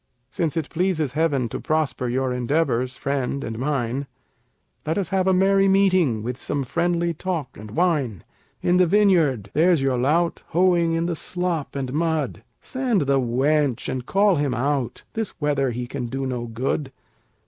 Since it pleases heaven to prosper your endeavors, friend, and mine, Let us have a merry meeting, with some friendly talk and wine. In the vineyard there's your lout, hoeing in the slop and mud Send the wench and call him out, this weather he can do no good.